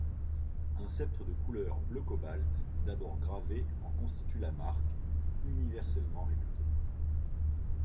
Un sceptre de couleur bleu-cobalt, d'abord gravé, en constitue la marque, universellement réputée.